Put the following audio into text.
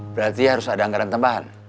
berarti harus ada anggaran tambahan